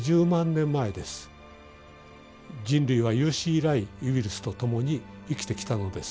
人類は有史以来ウイルスと共に生きてきたのです。